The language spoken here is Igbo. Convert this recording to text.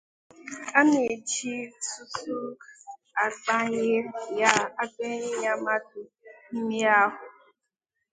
A na-eji ntụtụ agbanye ya mmadụ n’ime ahụ.